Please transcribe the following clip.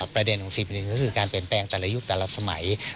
ประเด็นของสิ่งหนึ่งก็คือการเปลี่ยนแปลงแต่ละยุคแต่ละสมัย